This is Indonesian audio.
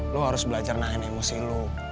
lu harus belajar naen emosi lu